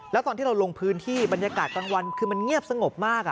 แล้วตอนที่เราลงพื้นที่บรรยากาศกลางวันคือมันเงียบสงบมาก